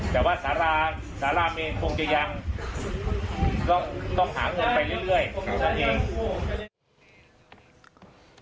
แต่ว่าสาระเมียคงจะยังต้องหาผู้ไปเรื่อยต้องเอง